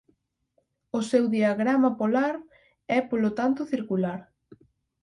O seu diagrama polar é polo tanto circular.